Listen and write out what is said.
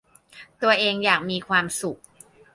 ตัวเองอยากมีความสุข